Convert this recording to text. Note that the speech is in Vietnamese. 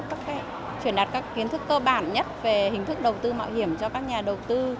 một đêm cùng với là cung cấp các kiến thức cơ bản nhất về hình thức đầu tư mạo hiểm cho các nhà đầu tư